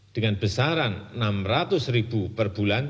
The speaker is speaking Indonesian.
dengan besaran rp enam ratus ribu per bulan